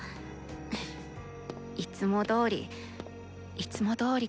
ふ。いつもどおりいつもどおりかあ。